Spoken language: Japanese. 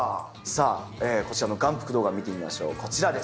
さぁこちらの眼福動画見てみましょうこちらです。